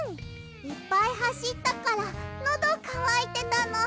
いっぱいはしったからのどかわいてたの。